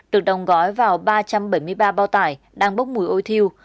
được đồng gói vào ba trăm bảy mươi ba bao tải đang bốc mùi ôi thiêu